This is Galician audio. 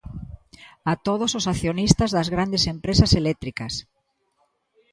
¡A todos os accionistas das grandes empresas eléctricas!